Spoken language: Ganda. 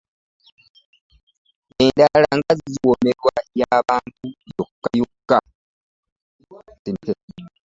Endala nga ziwoomerwa ya bantu yokka yokka.